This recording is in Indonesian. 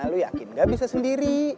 lu yakin gak bisa sendiri